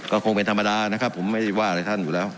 ก็คงเป็นธรรมดานะครับผมไม่ได้ว่าอะไรท่านอยู่แล้ว